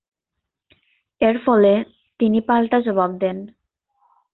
এরফলে, তিনি পাল্টা জবাব দেন।